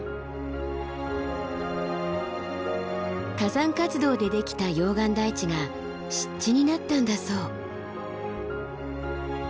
火山活動でできた溶岩台地が湿地になったんだそう。